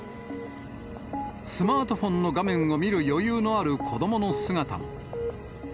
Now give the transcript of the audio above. スマートフォンの画面を見る余裕のある子どもの姿も。